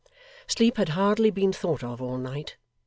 Sleep had hardly been thought of all night.